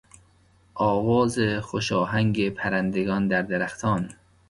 آواز خوش آهنگ پرندگان در درختان